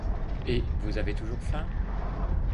Et vous avez toujours faim?